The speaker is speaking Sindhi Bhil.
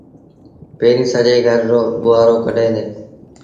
پيريٚݩ سڄي گھر رو ٻوهآرو ڪڍيٚن ديٚݩ ۔